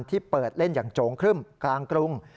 ที่เปิดเล่นอย่างโจงครึ่มกลางกรุง